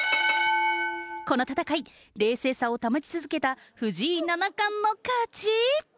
この戦い、冷静さを保ち続けた藤井七冠の勝ち。